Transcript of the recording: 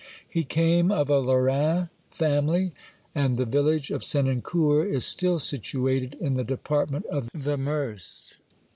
He came of a Lorraine family, and the village of Senancour is still situated in the department of the Meuse.